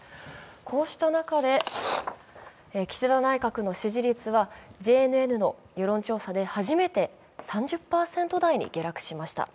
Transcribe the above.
こうした中で岸田内閣の支持率はＪＮＮの世論調査で初めて３０％台に下落しました。